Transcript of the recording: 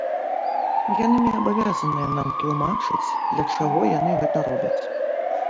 Яны не абавязаныя нам тлумачыць, для чаго яны гэта робяць.